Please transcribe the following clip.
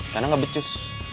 karena gak becus